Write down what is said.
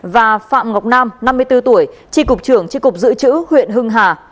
và phạm ngọc nam năm mươi bốn tuổi tri cục trưởng tri cục dự trữ huyện hưng hà